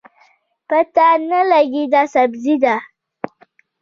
پته نه لګي دا سبزي ده